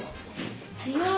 強い。